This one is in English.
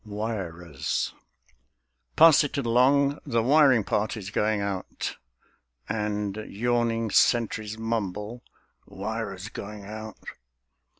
WIRERS "Pass it along, the wiring party's going out" And yawning sentries mumble, "Wirers going out."